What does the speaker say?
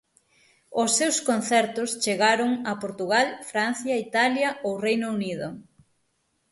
Os seus concertos chegaron a Portugal, Francia, Italia ou Reino Unido.